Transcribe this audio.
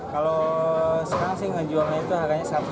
kalau sekarang sih ngejualnya itu harganya rp satu ratus dua puluh